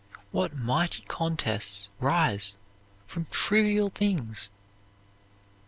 What mighty contests rise from trivial things!